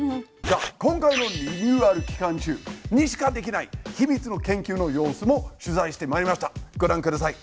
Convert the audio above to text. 今回のリニューアル期間中にしかできないヒミツの研究の様子も取材してまいりましたご覧ください。